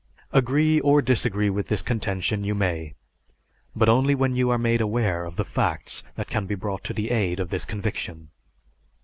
Agree or disagree with this contention you may, but only when you are made aware of the facts that can be brought to the aid of this conviction.